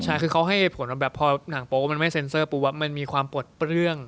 ใช่คือเขาให้ผลว่าพอหนังโปรไม่เซ็นเซอร์มันมีความปลดเปลื้อง